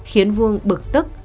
khiến vuông bực tức